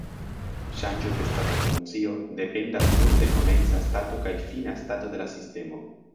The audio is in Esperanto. Ŝanĝo de stato-funkcio dependas nur de komenca stato kaj fina stato de la sistemo.